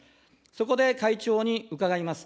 そこで会長に伺います。